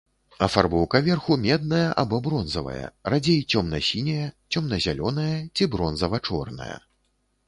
Афарбоўка верху медная або бронзавая, радзей цёмна-сіняя, цёмна-зялёная ці бронзава-чорная.